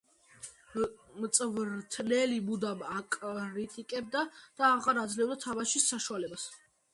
მწვრთნელი მუდამ აკრიტიკებდა და აღარ აძლევდა თამაშის საშუალებას.